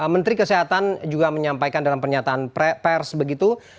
menteri kesehatan juga menyampaikan dalam pernyataan pers begitu